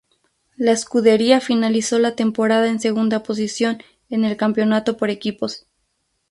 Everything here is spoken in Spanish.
La escudería finalizó la temporada en segunda posición en el campeonato por equipos.